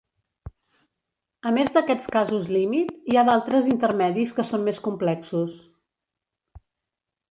A més d'aquests casos límit, hi ha d'altres intermedis que són més complexos.